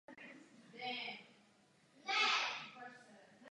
Tyto přijímače posílají data centrální pozice letiště.